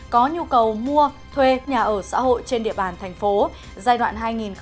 có nhu cầu mua thuê nhà ở xã hội trên địa bàn thành phố giai đoạn hai nghìn một mươi sáu hai nghìn hai mươi